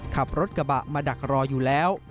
ขับรถกระบะมาดักรออยู่แล้ว